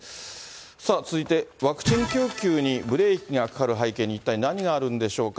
さあ、続いて、ワクチン供給にブレーキがかかる背景に、一体何があるんでしょうか。